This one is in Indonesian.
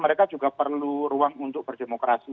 mereka juga perlu ruang untuk berdemokrasi